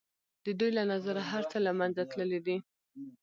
د دوی له نظره هر څه له منځه تللي دي.